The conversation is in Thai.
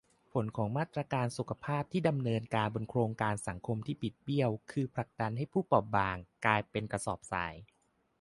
ผลของมาตรการสุขภาพที่ดำเนินการบนโครงสร้างสังคมที่บิดเบี้ยว คือผลักให้ผู้เปราะบางกลายเป็นกระสอบทราย